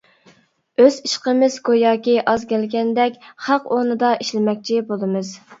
ئۆز ئىشقىمىز گوياكى ئاز كەلگەندەك، خەق ئونىدا ئىشلىمەكچى بولىمىز.